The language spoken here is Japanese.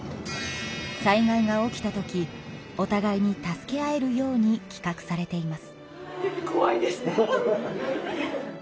災害が起きた時おたがいに助け合えるようにきかくされています。